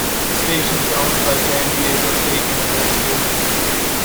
The station is owned by San Diego State University.